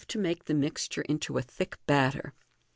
313 to make the mixture into a thick batter.